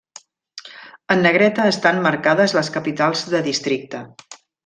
En negreta estan marcades les capitals de districte.